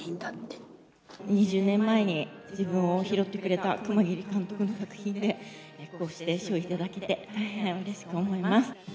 ２０年前に自分を拾ってくれた熊切監督の作品でこうして賞を頂けて、大変うれしく思います。